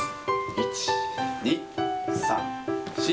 １、２、３、４。